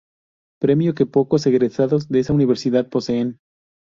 Premio que pocos egresados de esa universidad poseen.